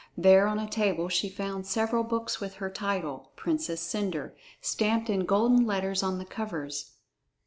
There on a table she found several books with her title, "Princess Cendre," stamped in golden letters on the covers.